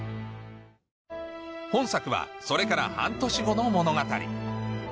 本作はそれから半年後の物語